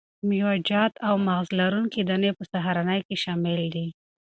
میوه جات او مغذ لرونکي دانې په سهارنۍ کې شامل دي.